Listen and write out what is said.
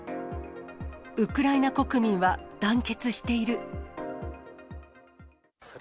ウクライナ国民は団結している。